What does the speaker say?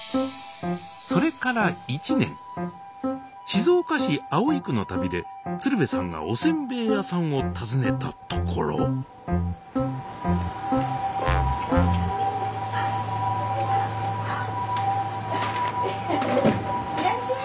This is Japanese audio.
静岡市葵区の旅で鶴瓶さんがおせんべい屋さんを訪ねたところハハハハッ！